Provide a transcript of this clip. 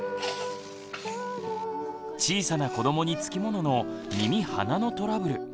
小さな子どもにつきものの耳・鼻のトラブル。